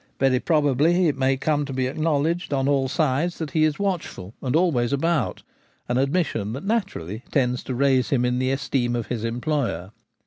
Very probably it may come to be acknowledged on all sides that he is watchful and always about : an ad mission that naturally tends to raise him in the esteem of his employer.